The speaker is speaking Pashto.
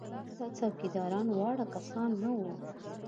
دا څوکیداران واړه کسان نه وو.